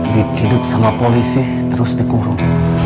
diciduk sama polisi terus dikurung